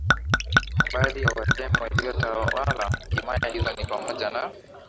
Baadhi ya Watemi waliotawala himaya hizo ni pamoja na